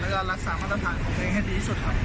แล้วก็รักษามาตรฐานของตัวเองให้ดีที่สุดครับ